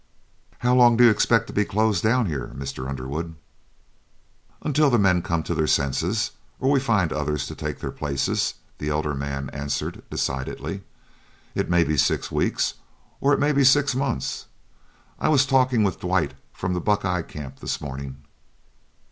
"How long do you expect to be closed down here, Mr. Underwood?" "Until the men come to their senses or we find others to take their places," the elder man answered, decidedly; "it may be six weeks or it may be six months. I was talking with Dwight, from the Buckeye Camp, this morning.